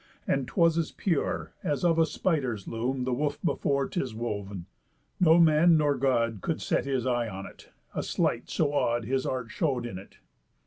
And 'twas as pure, as of a spider's loom The woof before 'tis wov'n. No man nor God Could set his eye on it, a sleight so odd His art show'd in it.